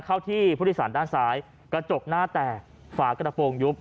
เข้าที่ผู้โดยสารด้านซ้ายกระจกหน้าแตกฝากระโปรงยุบ